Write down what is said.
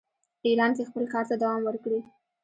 ایران کې خپل کار ته دوام ورکړي.